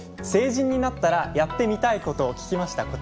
成人になったらやってみたいことを聞きました。